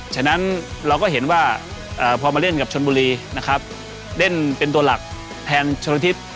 ฉะนั้นเราก็เห็นว่าพอมาเล่นกับชนบุรีนะครับเล่นเป็นตัวหลักแทนชนทิศ